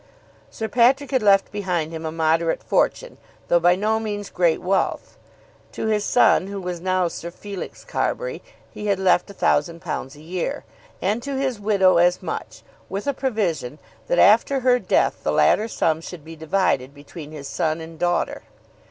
Sir Patrick had left behind him a moderate fortune, though by no means great wealth. To his son, who was now Sir Felix Carbury, he had left £1,000 a year; and to his widow as much, with a provision that after her death the latter sum should be divided between his son and daughter.